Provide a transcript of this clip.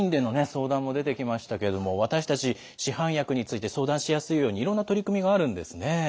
相談も出てきましたけれども私たち市販薬について相談しやすいようにいろんな取り組みがあるんですね。